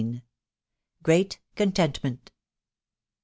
GREAT CONTENTMENT.